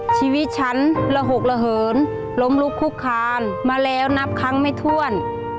ชีวิตฉันระหกระเหินล้มลุกคุกคานมาแล้วนับครั้งไม่ถ้วน